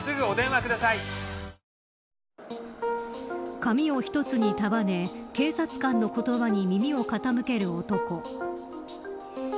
髪を一つに束ね警察官の言葉に耳を傾ける男。